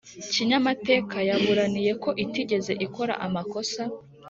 kinyamateka yaburaniye ko itigeze ikora amakosa,